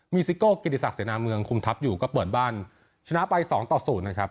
มีซิโก้กิติศักดิเสนาเมืองคุมทัพอยู่ก็เปิดบ้านชนะไปสองต่อศูนย์นะครับ